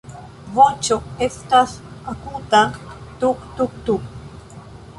Voĉo estas akuta "tuk-tuk-tuk".